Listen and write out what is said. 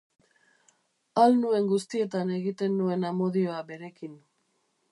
Ahal nuen guztietan egiten nuen amodioa berekin.